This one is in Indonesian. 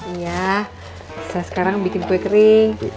iya saya sekarang bikin kue kering